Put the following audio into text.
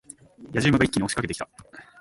野次馬が一気に押し掛けてきた。